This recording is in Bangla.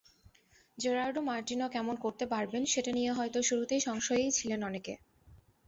জেরার্ডো মার্টিনো কেমন করতে পারবেন সেটা নিয়ে হয়তো শুরুতে সংশয়েই ছিলেন অনেকে।